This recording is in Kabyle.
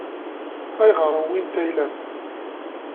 Ayɣer i wwint ayla-m?